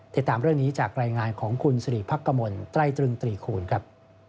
ติดตามเรื่องนี้จากรายงานของคุณสิริพักกมลไตรตรึงตรีคูณครับ